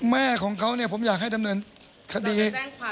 แม่ของเขาเนี่ยผมอยากให้ดำเนินคดี